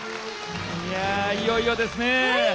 いやいよいよですねえ。